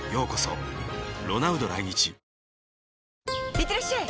いってらっしゃい！